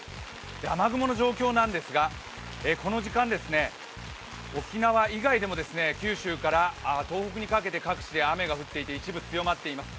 雨雲の状況なんですがこの時間、沖縄以外でも九州から東北にかけて各地で雨が降っていて一部強まっています。